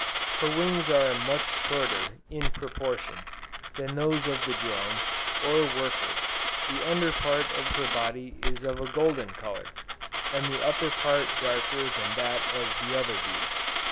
Her wings are much shorter, in proportion, than those of the drone, or worker; the under part of her body is of a golden color, and the upper part darker than that of the other bees.